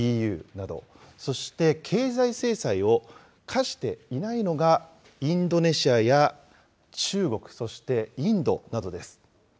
そして経済制裁を科していないのが、インドネシアや中国、そしてインドなどです。